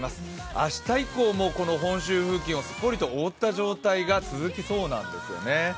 明日以降も本州付近をすっぽりと覆った状態が続きそうなんですよね。